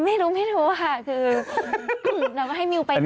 ไม่รู้ไม่รู้ค่ะคือเราให้มิวไปก่อนเลย